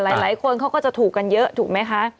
หลายคนเขาก็จะถูกกันเยอะถูกไหมคะ